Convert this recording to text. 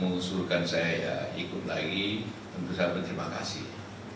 mengusulkan saya ya ikut lagi tentu saya berterima kasih